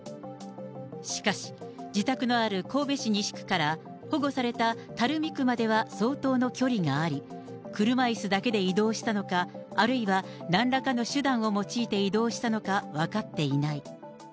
しかし、自宅のある神戸市西区から保護された垂水区までは相当の距離があり、車いすだけで移動したのか、あるいは、なんらかの手段を用いて移動したのか分かっていない。